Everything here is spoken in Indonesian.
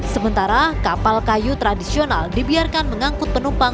sementara kapal kayu tradisional dibiarkan mengangkut penumpang